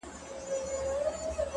• له رمباړو له زګېروي څخه سو ستړی,